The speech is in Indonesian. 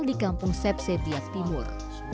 di kampung sepsepian timur